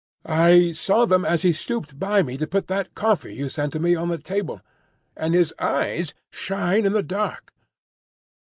"I saw them as he stooped by me to put that coffee you sent to me on the table. And his eyes shine in the dark."